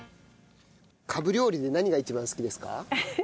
カブ料理で何が一番好きですか？